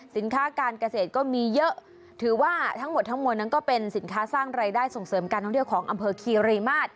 สินค้าการเกษตรก็มีเยอะถือว่าทั้งหมดทั้งมวลนั้นก็เป็นสินค้าสร้างรายได้ส่งเสริมการท่องเที่ยวของอำเภอคีรีมาตร